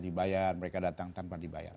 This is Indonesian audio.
dibayar mereka datang tanpa dibayar